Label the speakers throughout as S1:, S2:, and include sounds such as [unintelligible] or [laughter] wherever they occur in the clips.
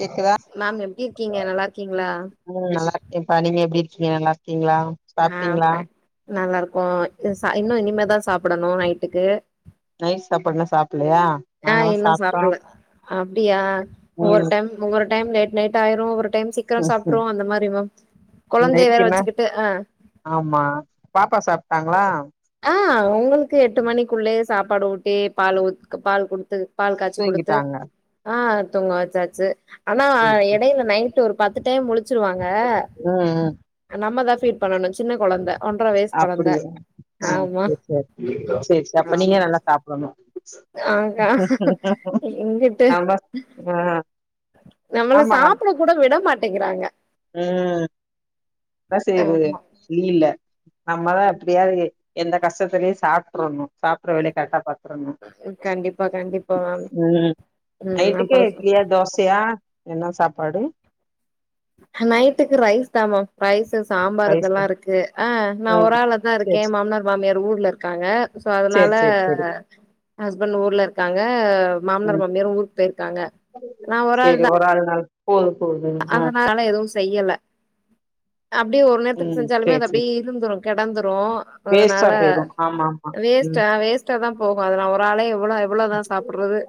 S1: கேக்குதா
S2: மேம் எப்டி இருக்கீங்க நல்லா இருக்கீங்களா
S1: ம் நல்லா இருக்கேன்ப்பா நீங்க எப்புடி இருக் கீங்க நல்லா இருக்கீங்களா
S2: ஆ
S1: சாப்ட்டீங்களா
S2: ஃபைன் நல்லா இருக்கோ ச இன்னு இனிமேதா சாப்டணு நைட்டுக்கு
S1: நைட் சாப்பாடு இன்னு சாப்
S2: ஆ இன்னு சாப்டல அப்புடியா ஒவ்வொரு
S1: ம்
S2: டைம் ஒவ்வொரு டைம் லேட் நைட் ஆயிரு ஒவ்வொரு டைம் சீக்கிரோ சாப்ட்டுருவோ அந்த மாரி மேம்
S1: இந்த
S2: கொழந்தைய வேற
S1: இருக்கு இன்னு
S2: வச்சுக்கிட்டு ஆ
S1: ஆமா பாப்பா சாப்ட்டாங்களா
S2: ஆ உங்களுக்கு எட்டு மணிக்குள்ளே சாப்பாடு ஊட்டி பாலு உத் பால் குடுத்து பால் காய்ச்சி குடுத்து
S1: தூங்கிட்டாங்க
S2: ஆ தூங்க வச்சாச்சு ஆனா
S1: சேரி சேரி
S2: எடையில நைட்டு ஒரு பத்து டைம் முழுச்சிருவாங்க
S1: ம் ம்
S2: நம்மதா ஃபீட் பண்ணனு சின்ன கொழந்த ஒன்ற வைஸ் கொழந்த
S1: அப்டியா ஆ
S2: ஆமா
S1: சேரி சேரி சேரி சேரி அப்ப நீங்க
S2: ஆமா
S1: நல்லா சாப்டணு
S2: ஆ கா எங்குட்டு
S1: நம்ம ஆ
S2: நம்மள சாப்பிட கூட விட மாட்டேங்கிறாங்க
S1: உ என்ன செய்றது
S2: ஆமா
S1: லீல நம்மதா எப்புடியாது எந்த கஷ்டத்துலயு சாப்ட்டுறணு சாப்பிடற வேலைய கரெக்டா பாத்துறனு
S2: கண்டிப்பா கண்டிப்பா மேம்
S1: ம்
S2: ம்
S1: நைட்டுக்கு
S2: அப்புறம் சொ
S1: இட்லியா தோசையா என்ன சாப்பாடு
S2: நைட்டுக்கு ரைஸ் தா மேம் ரைஸ் சாம்பார்
S1: ரைஸா
S2: இதெல்லா இருக்கு ஆ நா ஒரு
S1: ம்
S2: ஆள்ளா தா
S1: சேர்
S2: இருக்கே மாமனார் மாமியார் ஊர்ல இருக்காங்க சோ
S1: சேர்
S2: அதனால
S1: சேர் சேரி
S2: ஹஸ்பண்ட் ஊர்ல இருக்காங்க மாமனார்
S1: ம்
S2: மாமியார் ஊருக்கு போயிருக்காங்க நா ஒரு ஆள் தா
S1: போது போதும் அ
S2: அதனால எதுவு செய்யல அப்டியே ஒரு நேரத்துக்கு
S1: ம்
S2: செஞ்சாலுமே
S1: சேர்
S2: அது
S1: சேர்
S2: அப்படியே இருந்துரு கெடந்துரு ரு
S1: வேஸ்ட்டா
S2: அதனால
S1: போயிரு ஆமா ஆமா ம்
S2: வேஸ்ட்ட வேஸ்ட்டா தா போகு அத நா ஒரு ஆளே இவ்ளோ இவ்வளோதா சாப்புட்றது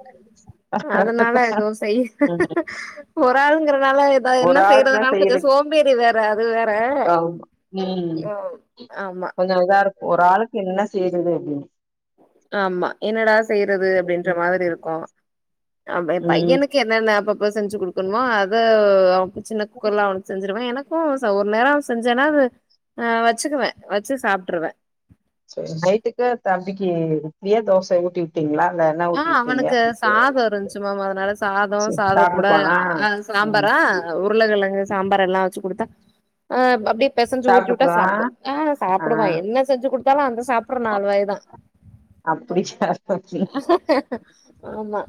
S2: அதனால எதுவு செய்யல்ல
S1: ம்
S2: ஒராளுங்கிறது னால எதா என்ன
S1: ஒரு ஆளுக்குனா
S2: செய்றதுனாலு கொஞ்ச
S1: செய்யறக்கு
S2: சோம்பேறி வேற அது வேற ஆமா
S1: கொஞ்ச இதா இருக்கு ஒராளுக்கு என்ன செய்றது அப்டின்னு
S2: ஆமா என்னடா செய்றது அப்டின்ற மாதிரி இருக்கு ஆமா எ
S1: ம்
S2: பையனுக்கு என்னென்ன அப்பப்ப செஞ்சு குடுக்கணுமோ அத சின்ன குக்கர்ல அவனுக்கு செஞ்சுருவே எனக் க்கு ச ஒரு நேர செஞ்சேன்னா அது அ வச்சுக்குவே வச்சு சாப்ட்ருவே
S1: செரி நைட்டுக்கு தம்பிக்கு இட்லியா தோச ஊட்டி விட்டீங்ளா
S2: ஆ அவனுக்கு சாத இருந்துச்சு மேம் அதனால சாதோ
S1: சேரி
S2: சாதக் கூட
S1: சாப்ட்டுக்குவானா
S2: ஆ
S1: ம்
S2: சாம்பாரா அ உருளக்கெழங்கு சாம்பாரெல்லா வச்சு குடுத்தா ஆ அப்டப்டே பெசஞ்சு ஊட்டி விட்டா
S1: சாப்ட்டுக்குவானா
S2: சாப்டு ஆ
S1: ஆ
S2: சாப்டுவா என்ன செஞ்சு குடுத்தாலு அந்த சாப்ட்ற நாலு வாய்தா உஹ
S1: அப்டி சாப்ட்டாகே
S2: ஆமா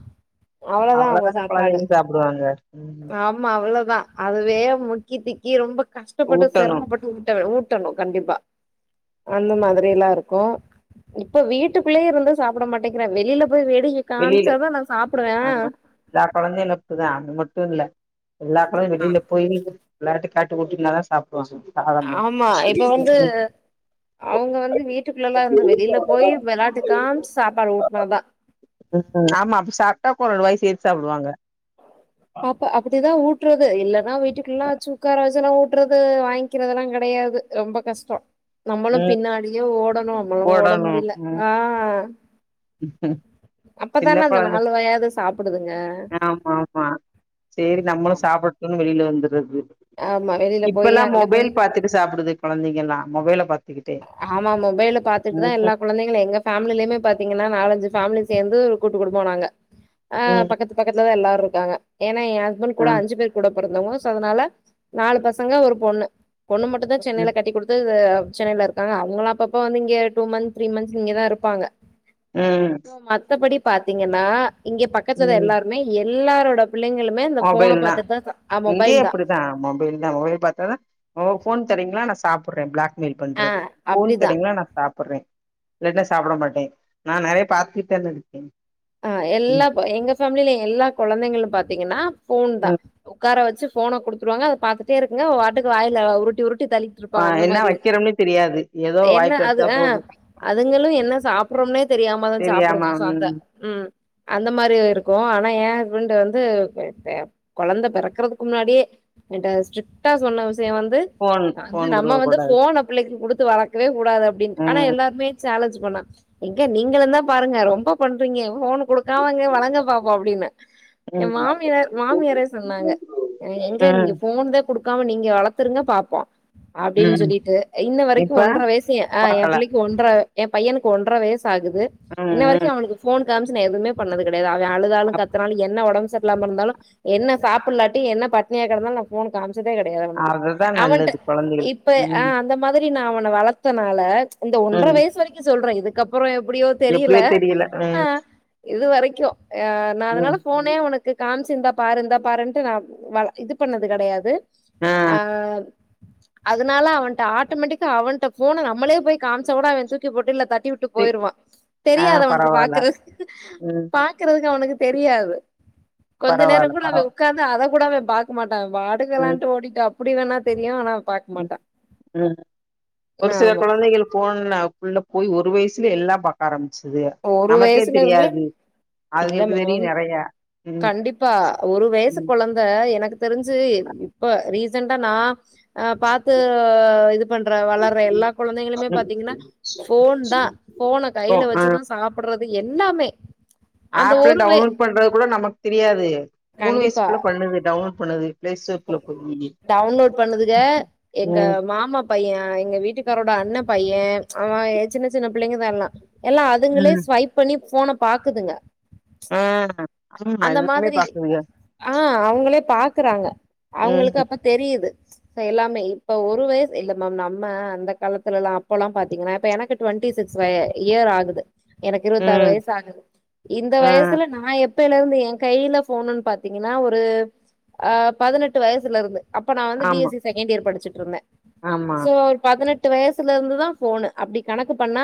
S2: அவளதா அவெ
S1: அவ்வளவுதான
S2: சாப்பாடு
S1: குழந்தைங்க சாப்பிடுவாங்க ம்
S2: ஆமா அவ்ளதா அதுவே முக்கி திக்கி ரொம்ப கஷ்டப்பட்டு
S1: ஊட்டணு
S2: சிரமப்பட்டு ஊட்ட ஊட்டணு கண்டிப்பா அந்த மாதிரியெல்லா இருக்கு இப்ப வீட்டுக்குள்ளே இருந்து சாப்ட மாட்டேங்கிறா வெளில ல வேடிக்க
S1: வெளியில
S2: காம்ச்சாதா நா சாப்டுவே
S1: ஆ எல்லா குழந்தையு அப்படிதா அது மட்டு இல்ல எல்லா கொழந்தையு வெளில போய் வெளாட்டு காட்டி உட்டுனா தா சாப்
S2: ஆமா இப்ப வந்து அவ்ங்க வந்து வீட்டுக்குள்ளலா இருந்து வெளில போய் வெளாட்டு காம்சு சாப்பாடு ஊட்னாதா
S1: ஆமா அப்டி சாப்ட்டாக்கொரு ரெண்டு வாயி சேத்து சாப்டுவாங்க
S2: பப்ப அப்டிதா ஊட்றது இல்லனா வீட்டுக்குள்ளலா வச்சு உக்கார வச் சு ஊட்றது வாய்ங்க்கிறதெல்லா கெடையாது ரொம்ப கஷ்டோ நம்மளு
S1: ம்
S2: பின்னாடியே ஓடணு என்னால ஓட
S1: போடணு
S2: முடிய்ல
S1: ம்
S2: ஆ
S1: சின்ன
S2: அப்பதான அந்த
S1: கொழந்த
S2: நாலு வாயாவது சாப்பிடுதுங்க
S1: ஆமாம்மா சேரி நம்மளு சாப்புட்டுணு வெளில வந்
S2: ஆமா வெளியில போய்
S1: இப்பலா
S2: அங்க போய்
S1: மொபைல் பாத்துட்டு சாப்புடுது கொழந்தைங்கள்லா மொபைல பாத்
S2: ஆமா மொபைல்ல பாத்துட்டுதா எல்லா கொழந்தைங்களு எங்க ஃபேம்லிலயுமே பாத்தீங்கனா நாலஞ் சு ஃபேம்லி சேந்து கூட்டு குடும்ப நாங்க ஆ
S1: ம்
S2: பக்கத்து பக்கத்துல தா எல்லாரு இருக்காங்க எ எ ஹஸ்பண்ட்
S1: ஆ
S2: கூட அஞ்சு பேரு கூட பொறந்தவ்ங்க சோ அதுனால நாலு பசங்க ஒரு பொண்ணு பொண்ணு மட்டு தா
S1: ம்
S2: சென்னைல கட்டி குடுத்து வ சென்னைல இருக்காங்க அவ்ங்களு அப்பப்ப வந்து இங்க டூ மந்த் த்ரீ மந்த்ஸ் இங்கதா இருப்பாங்க
S1: ம்
S2: மத்தபடி பாத்தீங்கனா இங்க பக்கத்துலதா
S1: ம்
S2: எல்லாருமே எல்லாரோட பிள்ளையு இந்த ஃபோன பாத்துட்தா சா
S1: இங்கேயு அப்டிதா மொபைல் தா மொபைல் பாத்து ஒங்க ஃபோன் தரீங்ளா நா சாப்பிட்றே பிளாக்மெயில்
S2: ஆ
S1: பண்றது ஃபோன்
S2: அப்டிதா
S1: தரீங்களா நா சாப்பிட்றே இல்லைட்னா சாப்புட மாட்டே நா நெறைய டாப்பி பண்ணது
S2: ஆ எல்லாப்ப எங்க ஃபேம்லில எல்லா கொழந்தைங்களு பாத்தீங்கனா ஃபோன் தா
S1: ம்
S2: ஒக்கார வச் ச்சு ஃபோன குடுத்துருவாங்க அத பாத்துட்டே இருக்குனு அது வாட்டுக்கு வாய்ல உருட்டி உருட் ட்டி
S1: ஆ
S2: தள்ளிட்ருப்பாங்க அந்த
S1: என்ன
S2: மாரி
S1: வைக்கிறோம்னே தெரியாது ஏதோ
S2: என்ன
S1: வாய்க்கு
S2: அது
S1: வச்சா
S2: அ
S1: போது
S2: அதுங்களு என்ன சாப்ட்ற றம்னே தெரியாம தா
S1: தெரியாம
S2: சாப்டணு சோ அந்த
S1: ம்
S2: ம் அந்த மாரி இருக்கு ஆனா எ ஹஸ்பண்ட் வந்து எப்ப கொழந்த பெறக்றதுக்கு முன்னாடியே என்ட்ட ஸ்ட்ரிக்டா சொன்ன விஷ் ய வந்து
S1: ஃபோன்
S2: அது
S1: ஃபோன்
S2: நம்ம
S1: குடுக்க
S2: வந்து
S1: கூடாது
S2: ஃபோனப் பிள்ளைக்கு குடுத்து வளக்கவே கூடாது அப்டின்னு ஆனா
S1: ம்
S2: எல்லாருமே சேலஞ்ஜு பண்ணோ எங்க நீங்களுந்தா பாருங்க ரொம்ப பண் றீங்க ஃபோனு குடுக்காம நீங்க வளங்க பாப்போ அப்டின்னு எ
S1: ம்
S2: மாமியார் மாமியாரே சொன்னாங்க அ எங்க நீங்க
S1: ம்
S2: ஃபோன் தா குடுக்காம நீங்க வளத்துருங்க பாப்போ அப்டின்
S1: ம்
S2: சொல்லிட்டு இன்ன வரைக்கு
S1: இப்ப
S2: ஒன்ற்ர வயசு எ அ எ
S1: பாக்கல
S2: பிள்ளைக் ஒன்ற்ர எ பையனுக்கு ஒன்ற்ர வயசு ஆகுது
S1: ம்
S2: இன்ன வரிக்கு
S1: ம்
S2: அவனுக்கு ஃபோனு காம்ச்சு நா எதுவுமே பண்ணது கெட டயாது அவ அழுதாலு
S1: அப்
S2: கத்தனாலு என்ன ஒடம்பு சர்ல்லாம இருந்தாலு என்ன சாப்புல்லாட்டி என்ன பட்னியா கெடந்தாலு நா ஃபோனு காமிச் சதே கெடையாது அவனுக்கு
S1: அதுதான்
S2: அவன்ட
S1: நல்லது கொழந்தைகளுக்கு
S2: இப்ப அ
S1: ம்
S2: அந்த மாதிரி நா அவ ன வளத்தனால இந்த ஒன்ற்ர
S1: ம்
S2: வயசு வரிக்கு சொல்றே இதுக்கப்புறோ எப்புடியோ தெரியில
S1: எப்டியோ தெரியல
S2: அ
S1: ம்
S2: இது வரைக்கு அ நா
S1: ம்
S2: அதனால ஃபோனே அவனுக்கு காம்ச்சிந்தா பாருந்தா பாருன்ட்டு நா வ இது பண்ணது கெடயாது
S1: ஆ
S2: அ அதனால அவன்ட ஆட்டமேட்டிக்கா அவன்ட ஃபோன நம்மளே போய் காம்ச்சகூட அவ தூக்கி போட்டு இல்ல த ட்டி வுட்டு
S1: தி
S2: போய்ருவா
S1: ஆ
S2: தெரியாது அவுனுக்கு
S1: பரவால்ல
S2: பாக்குறது
S1: ம்
S2: பாக்குறதுக்கு அவுனுக்கு தெரியாது கொஞ்ச
S1: பரவால்ல
S2: நேரங் கூட அவ
S1: பரவா
S2: உக்காந்து அத கூட அவ பாக்க மாட்டா அவ் பாடுக்கு
S1: ம்
S2: வெளான்ட்டு ஓடிட்டு அ ப்புடி வேணா தெரியு ஆனா
S1: ம் ம் ஒரு சில
S2: ஆமா
S1: குழந்தைகள் போன்னா உள்ள போயி ஒரு வய்ஸ்லே எல்லா பாக்காரம்
S2: ஒரு வயசுல இருந்தே இல்ல
S1: அதுகளுக்கு தெரியு
S2: மேம்
S1: நெறைய ம்
S2: கண்டிப்பா ஒரு வயசு
S1: ம்
S2: கொழந்த எனக்கு தெரிஞ்சு இப்ப ரீ ஜன்டா நா அ பாத்து இது பண்ற வளர்ற எல்லா
S1: ம்
S2: குழந்தைங்கமே பாத்தீங்கன்னா ஃபோன் தா ஃபோன
S1: ஓ
S2: கைல
S1: ஆ
S2: வச்சுதா சாப்பிடுறது எல்லாமே அந்த
S1: ஆப்ல
S2: ஒரு வய
S1: டவுன்லோட் பண்றது கூட நமக் தெரியாது மூணு வயசு
S2: கண்டிப்பா
S1: புள்ள பண்ணுது டவுன்லோட் பண்ணுது பிளே ஸ்டோர்குள்ள போயி
S2: டவுன்லோட் பண்ணுதுக எங்க
S1: ம்
S2: மாமா பைய எங்க வீட்டுக்காரோட அண்ண பையே அவ எ சின்ன சின்ன பிள்ளைங்கதா எல்லா எல்லா அதுங்களே
S1: ம்
S2: ஸ்வைப் பண்ணி ஃபோன பாக்குதுங்க
S1: ஆ ஆமா
S2: அந்த
S1: எல்லாமே
S2: மாதிரி
S1: பாக்குதுக
S2: அ அவுங்களே பா க்குறாங்க அவுங்களுக்கு
S1: ம்
S2: அப்ப தெரியுது சோ எல்லாமே இப்போ ஒரு வயசு இல்ல மேம் நம்ம அந்த காலத்துலெல்லா அப்போல்லா பாத்தீங்கனா இப்ப எனக்கு ட்வெண்ட்டி சிக் ஸ் வய இயர் ஆகுது எனக்கு இருவத்தாறு
S1: ம்
S2: வயசாகுது இந்த
S1: ஆ
S2: வயசுல நா எ ப்பேலருந்து எ கையில போணுன் பாத்தீங்கன்னா ஒரு அ பதனெட்டு வயசுல இருந்து அப்ப நா வந்து பி
S1: ஆமா
S2: எஸ் சி செகண்ட் இயர் படிச்சிட்ருந்தே
S1: ஆமா.
S2: சோ ஒரு பதனெ ட்டு வயசுல இருந்துதா ஃபோனு அப்டி கணக்கு பண்ணா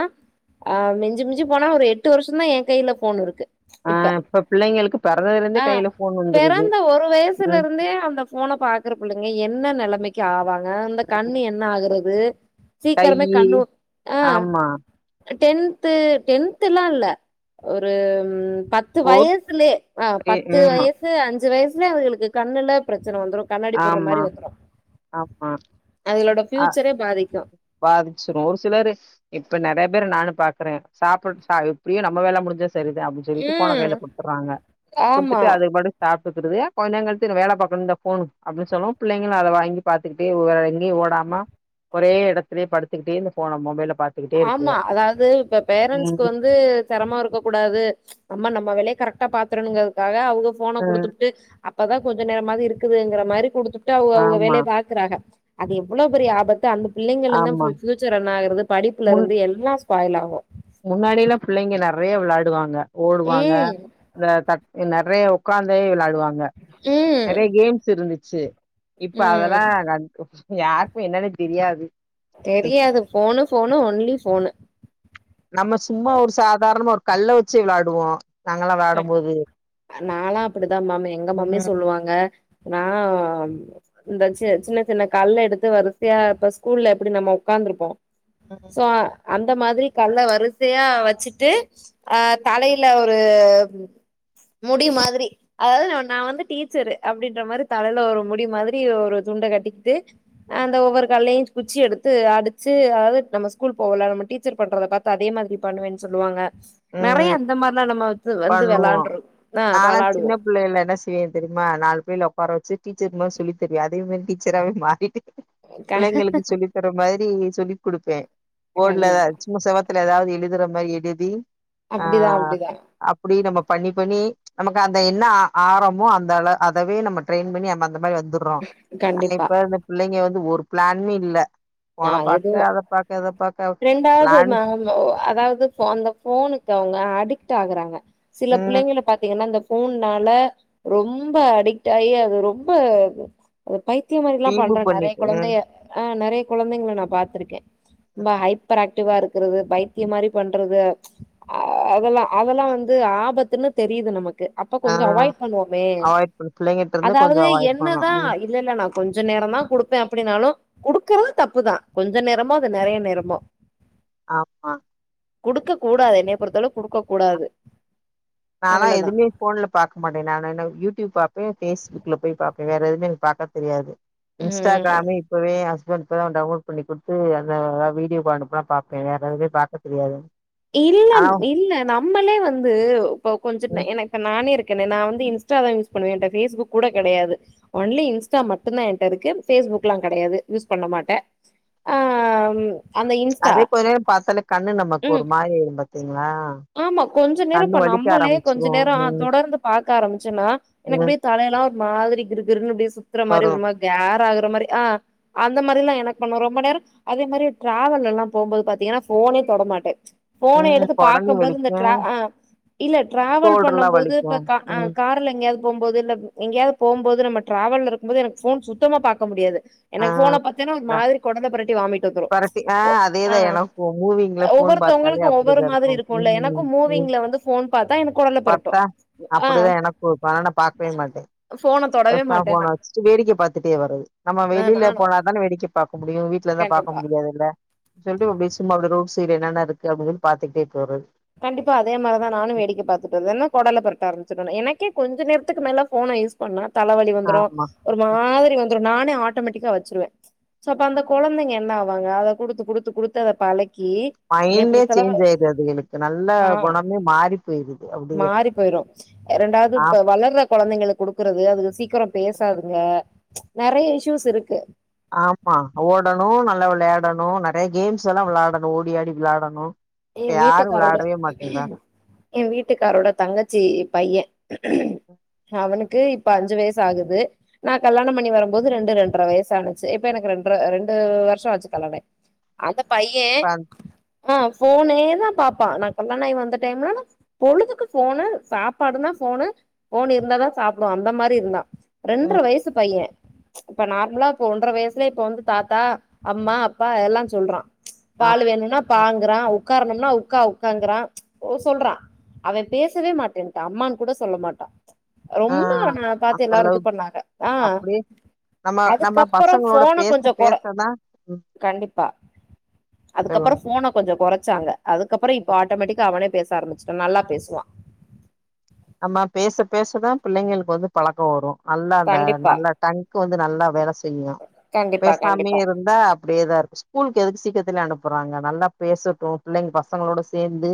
S2: அ மிஞ்சு மிஞ்சி போனா ஒரு எட்டு வருஷந்தா எ கைல ஃபோன் இருக்கு
S1: ஆ
S2: இப்ப
S1: பிள்ளைங்களுக்கு பிறந்ததுலருந்தே
S2: அ
S1: கையில ஃபோன் வந்துருது.
S2: பெறந்த ஒரு வயசுல
S1: ம்
S2: இருந்தே இந்த ஃபோன பாக்குற புள்ளைங்க என்ன நெலைமைக்கு ஆவாங்க இந்த கண்ணு என்ன ஆகுறது சீக்கிரமே
S1: கையி
S2: கண்ணூ அ
S1: ஆமா.
S2: டென்த்து டென்த்தெல்லா இல்ல ஒரு ம் பத்து
S1: ஃபோர்த்
S2: வயசுலே அ
S1: டே
S2: பத்து
S1: ம்
S2: வயசு அஞ்சு வயஸ்லே அவுகளுக்கு கண்ணுல ப்ரெச்சன வந்துரு கண்ணாடி போட்ற
S1: ஆமா,
S2: மாரி வந்துரு அவுகளோட ஃபியூச்சரே பாதிக்
S1: பாதிச்சிடு ஒரு சிலரு இப்ப நெறைய பேரு நானு பாக்குறே சாப்பிட் அ எப்டியு நம்ம வேல முடிஞ்சா செரிதா அப்டின் சொல்லிட்டு ஃபோன
S2: ம்
S1: கைல குத்துட்றாங்க குடுத்துட்டு
S2: ஆமா
S1: அதுங்பாட்டுக் சாப் டுட்டுது கொஞ்நேர் கழ்ச்சு நா வேல பாக்குன் இந்த ஃபோனு அப்டின் சொல்லோ பிள்ளைகளு அத வாங்கி பாத்துக்கிட்டே ஒ வேர எங்கியு ஓடாம ஒரே எடத்திலே படுத்துக்கிட்டே இந்த ஃபோன மொபைல பாத்துக்கிட்டே இருக்குக.
S2: ஆமா அதாவ்து இப்ப பேரண்ட்ஸ்கு
S1: ம்.
S2: வந்து செரம்மா இருக்க கூடாது நம்ம நம்ப வேலய கரெக் டா பாத்துறங்கிறதுக்காக அவுங்க ஃபோன
S1: ம்.
S2: குடுத்புட்டு அப்பதா கொஞ்ச நேரமாது இருக்குதுங்கிற மாரி குடுத்து ட்டா அவுக அவுக
S1: ஆமா,
S2: வேலய பாக்குறாக அது எவ்வுளோ பெரிய ஆபத்து அந்த பிள்ளைகள்ந்தா ஃபு
S1: ஆமா.
S2: ஃபியூச்சர் என்ன ஆகுறது படிப்புலருந்து எல்லா ஸ்பாயில் ஆவு
S1: முன்னாடியில பிள்ளைங்க நெறைய விளாடுவாங்க ஓடுவாங்க
S2: ம்.
S1: இந்த த நெறைய உக்காந்தே விளாடுவாங்க
S2: ம்.
S1: நெறைய கேம்ஸ் இருந்துச்சு இப்ப
S2: ம்.
S1: அதெல்லா இ யார்க்மே என்னன்னே தெரியாது ம்.
S2: தெரியாது ஃபோனு ஃபோனு ஒன்லி ஃபோனு
S1: நம்ம சும்மா ஒரு சாதார்ணமா ஒரு கல்ல வச்சி வ்ளாடுவோ
S2: ம் நால்லா அப்டிதா மேம் எங்க மாம்யா
S1: ம்
S2: சொல்லுவாங்க நா இந்த ச சின்ன சின்ன கல்ல எடுத்து வருசையா இப்ப ஸ்கூல்ல எப்டி நம்ம உக்காந்துருப்போ சோ அ அந்த மாதிரி கல்ல வருசையா வச்சிட்டு ஆ தலையில ஒரு ஆ முடி மாதிரி அதாது ந ஒன் நா வந்து டீச்சரு அப்டின்ற மாரி தலைல ஒரு முடி மாதிரி ஒரு சு உண்டகடிக்ட்டு அந்த ஒவ்வொரு கல்லையு குச்சி எடுத்து அடிச்சி அதாவ்து நம்ம ஸ்கூல் போல நம்ம டி டீச்சர் பண்றத பாத்து அதே மாதிரி பண்ணுவேன் சொல்லுவாங்க நறைய
S1: ம்
S2: அந்த மாரிதா நம்ம வந்து வந்து
S1: பண்ணுவோ
S2: வெளாண்டுரு ஆ
S1: நானா
S2: வெளாடுவோ
S1: சின்னப் புள்ளையில என்ன செய்வே தெரியுமா நாலு பிள்ளையல உக்கார வச்சி டீச்சர் மாரி சொல்லி தெரியு அதே மேரி டீச்சராவே மாறிட்டு
S2: க
S1: புள்ளைங்களுக்கு சொல்லி தர்ற மாதிரி சொல்லிக் குடுப்பே போட்ல
S2: கண்டிப்பா
S1: சும்மா செவத்துல ஏதாவ்து எழுதுற மாரி எழுதி
S2: அப்டிதா அப்டிதா
S1: [unintelligible] நம்மொ பண்ணி பண்ணி நமக்கு அந்த என்ன ஆ ஆரமோ அந்தாள அதவே நம்ம ட்ரெயின் பண்ணி நம்ம அந்த மாரி வந்துர்றோ ஆனா
S2: கண்டிப்பா
S1: இப்ப அந்த பிள்ளைங்க வந்து ஒரு ப்ளாணுமே இல்ல ஃபோன பாக்க அதப் பாக்க இத பாக்க
S2: ரெண்டாவ்து
S1: பிளான்
S2: ம ம ஒ அதாவ்து ஃபொ அந்த ஃபோனுக்கு அவுங்க அடிக் ட் ஆகுறாங்க சில
S1: ம்
S2: புள்ளைங்கள பாத்தீங்கன்னா அந்த ஃபோன்னால ரொம்ப அடிக்ட் ஆயி அது ரொம்ப அ பைத்திய மாரில்லா
S1: வீம்பு
S2: பண்ற நறைய
S1: பண்ணிட்டு ம்
S2: கொழந்தைய ஆ நறைய கொழந்தைங்ள நா பாத்துர்க்கே ரொம்ப ஹைப்பர் ஆக்டிவா இருக்குறது பைத்தியொ மாரி பண்றது அதெல்லா அதெல்லா வந்து து ஆபத்துன்னு தெரியிது நமக்கு அப்பொ
S1: ஆ
S2: கொஞ்சொ அவாய்ட் பண்ணுவோமே
S1: அவாய்ட் பண்ண பிள்ளைங்கிட்ட இருந்து கொஞ்சோ
S2: அதாவது
S1: அவாய்ட் பண்ணு
S2: என்னதா
S1: ம்
S2: இல்லல்ல நா கொஞ்ச நேரந்தா குடுப்பே அப்டின்னாலு குடுக்குறது தப்புதா கொஞ்ச நேரமோ அது நெறைய நேரமோ
S1: ஆமா
S2: குடுக்கக் கூடாது என்னைய பொருத்தளவு குடுக்கக் கூடாது
S1: நால்லா
S2: அவ்வளதா
S1: எதுமே ஃபோன்ல பாக்க மாட்டே நானா என்ன யூடியூப் பாப்பே ஃபேஸ்புக்ல போய் பாப் பே வேற எதுமே எனக் பாக்க தெரியாது
S2: ம்
S1: இன்ஸ்டாக்ராமே இப்பவே ஏ அஸ் ஸ்பண்ட் இப்பதா டவுன்லோட் பண்ணிக் குடுத்து அந்த வீடியோவ அனுப்பு நா பாக்குறே வேற எதுமே பாக்கத் தெரியாது
S2: இல்ல
S1: ஆனா
S2: இல்ல நம்மளே வந்து இப்ப கொஞ்சொ ந
S1: ம்
S2: எனக்கு நானே இருக் கனே நா வந்து இன்ஸ்ட்டாதா யூஸ் பண்ணுவே ஏன்ட்ட ஃபேஸ்புக் கூட கெடையாது ஒன்லி இன்ஸ்ட்டா மட்டுந்தா என்ட்ட இருக்கு ஃபேஸ் புக்லா கடையாது யூஸ் பண்ண மாட்ட ஆ ம்
S1: அதே கொஞ்ச நேரொ பாத்தாலே கண்ணு நமக்கு
S2: ம்
S1: ஒரு மாரியாய்ரு பாத்தீங்ளா
S2: ஆமா கொஞ்ச நேரொ இப்ப நம்பளே கொஞ்ச நேரொ அ
S1: ம்
S2: தொடர்ந்து பாக்க ஆரம்பிச்சன்னா
S1: ம்
S2: எனக்கப்டியே தல ல்லா ஒரு மாதிரி கிறு கிறுனுஅப்டியே சுத்துற மாரி
S1: வரு
S2: ஒரு மா கேரா க்ற மாரி ஆ அந்த மாரில்லா எனக்கு பண்ணு ரொம்ப நேரொ அதே மாரி ட்ராவல்லெல்லா போம்போது பாத்தீங்கன்னா ஃபோனே தொட மாட்டே ஃபோன
S1: ம்
S2: எடுத்து பாக்
S1: கொடலி
S2: கம்போது இந்த
S1: வலிக்கு
S2: ட்ரா ஆ இல்ல ட்ராவல்
S1: ஷோல்டர்லா
S2: பண்ணம் போது
S1: வலிக்கு
S2: இப்ப க அ
S1: ம்
S2: கார்ல எங்கயாது போம்போது இல்ல எங்கியாது போம்போது நம்ம ட்ராவல்ல இருக்கும்போது எனக்கு ஃபோன் சுத்தமா பாக்க முடியாது எனக்கு ஃபோன பாத்தேனா ஒரு மாரி கொடல பொரட்டி வாமிட் வந்துரு
S1: பரட்டி ஆ
S2: ஓ
S1: அதேதா
S2: ஆ
S1: எனக்கு மூவிங்ல ஃபோன் பாத்தாலே
S2: ஒவ்வொருத்தவங்களுக்கும் ஒவ்வொரு
S1: அப்டிதா
S2: மாதிரி
S1: இருக்கு
S2: இருக்கும்ல
S1: ம்
S2: எனக்கும்
S1: ம்
S2: மூவிங்ல வந்து போன் பாத்தா எனக்கு கொடல பெரட்டு
S1: பாத்தா அப்டிதா எனக்கு இப்ப அனால நா பாக்கவே மாட்டே
S2: போன தொடவே
S1: [unintelligible]
S2: மாட்டேன்
S1: ஃபோன
S2: நா
S1: வச்சிட்டு வேடிக்கெ பாத்துட்டே வர்றது நம்ம
S2: ஆ
S1: வெளியில
S2: நானு
S1: போனாதானெ வேடிக்க பாக்க முடியு வீட்ல தா பாக்க
S2: கண்டிப்பா
S1: முடியாதுல்ல சொல்ட்டு அப்டியே சும்மா அப்டி ரோட் சைடு என்னான்னா இருக்கு அப்இப்டினு பாத்துக்ட்டே போறது
S2: கண்டிப்பா அதே மாரிதா நானு வேடிக்க பாத்துட்டு வந்தென்னா கொடலப் பெரட்ட ஆரமிச்சுரு ன எனக்கே கொஞ்ச நேரத்துக்கு மேல ஃபோன யூஸ் பண்ணா தல வலி வந்துரு
S1: ஆமா
S2: ஒரு மாரி வந்த்ரு நானே ஆட்டோமேட்டிக்கா வச்சிருவே சோ அப்ப அந்த கொழந்தைங்க என்ன ஆவாங்க அத குடுத்து குடுத்து குடுத்து அத பழக்கி என்னைய
S1: மைண்டே
S2: பொறுத்தளவு
S1: சேஞ்ச் ஆயிருது அது என்க்கு நல்ல
S2: ஆ
S1: குணமே மாறி போயிருது அப்டியே
S2: மாறி போயிரு ரண்டாவது
S1: ஆ
S2: இப்ப வளர்ர கொழந்தைங்களுக்கு குடுக்குறது அதுக சீக்கிர பேசாதுங்க நெறைய இஷ்யூஸ் இருக்கு
S1: ஆமா ஓடணு நல்லா விளையாடணு நெறைய கேம்ஸ்ல்லா விளாடணு ஓடி ஆடி விளாடணு
S2: எ
S1: இப்ப யாரு
S2: வீட்டுக்காரோட
S1: விளையாடவே மாட்டேன்றா
S2: என் வீட்டுகாரோட தங்கச்சி பைய அவனுக் க்கு இப்ப அஞ்சு வயிசாகுது நா கல்யாண பண்ணி வரும்போது ரெண்டு ரெண்டர வயசு ஆனச்சு இப்ப எனக்கு ரென்ட்ர ரெண்டு ஆ வருஷ ஆச்சு கல்யாணாயி அந்த பைய ஃபோனே தா பாப்பா நா கல்யாண ஆயி வந்த டைம்ல பொழுதுக்கு ஃபோனு சாப்பாடு நா ஃபோனு ஃபோன் இருந்தாதா சாப்டுவா அந்த மாரி இருந்தா ரெண்டரை வயசு பைய இப்ப நார்மலா இப்போ ஒன்றரை வயசுலய இப்ப வந்து தாத்தா அம்மா அப்பா எல்லா சொல்றா பால் வேணுன்னா பாங்குறா உக்காரணுமன்னா உக்கா உக்காருங்குறா சொல்றா அவே பேசவே மாட்டேன்டா அம்மான்கூட சொல்ல மாட்டா
S1: ஆ
S2: ரொம்ப அவனபாத்து
S1: அந்த
S2: எல்லாரு
S1: அளவுக்கு
S2: இதுபண்ணாங்க ஆ
S1: அப்டியே நம்ம நம்ம
S2: அதுக்கப்பற
S1: பசங்களோட
S2: ஃபோனை
S1: பேச
S2: கொஞ்ச கொறை
S1: பேசதா ம்
S2: கண்டிப்பா அதுக்கப்பற
S1: சொல்லுங்க
S2: ஃபோனா கொஞ் கொஞ்ச கொறைச்சாங்க அதுக்கப்பற இப்ப ஆட்டோமேட்டிக்கா அவனே பேச ஆரம்பிச்சிட்டா நல்லா பேசுவா
S1: ஆமா பேச பேசதா பிள்ளைங்களுக்கு வந்து பழக்க வரு நல்லா அந்த
S2: கண்டிப்பா
S1: நல்ல டங்க்கு வந்து நல்லா வேலை செய்யு
S2: கண்டிப்பா
S1: பேசாமே
S2: கண்டிப்பா
S1: இருந்தா அப்டியேதா இருக்கு ஸ்கூலுக்கு எதுக்கு சீக்கிரத்துலே அனுப் அப்புற அங்க நல்லா பேசட்டு பிள்ளைங்க பசங்களோட சேந்து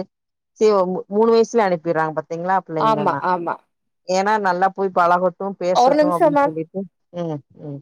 S1: சி ஒரு மூணு வயசுல அனுப்பிறாங்க பாத்தீங்ளா
S2: ஆமா ஆமா
S1: ஏனா நல்லா போய் பழகட்டு
S2: ஒரு
S1: பேசட்டு அப்படின்
S2: நிமிஷமா
S1: சொல்லிட்டு ம் ம்